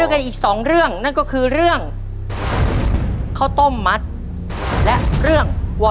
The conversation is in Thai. เป็นข้าวต้มมัดเนาะ